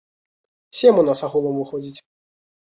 Сем у нас агулам выходзіць.